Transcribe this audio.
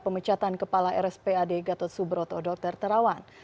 pemecatan kepala rspad gatot subroto dr terawan